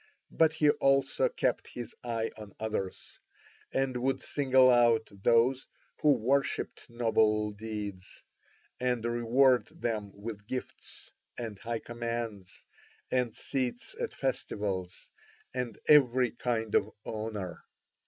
But he also kept his eye on others, and would single out those who worshipped noble deeds, and reward them with gifts, and high commands, and seats at festivals, and every kind of honour.